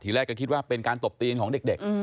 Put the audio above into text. แรกก็คิดว่าเป็นการตบตีนของเด็ก